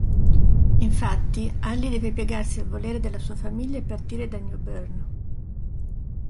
Infatti, Allie deve piegarsi al volere della sua famiglia e partire da New Bern.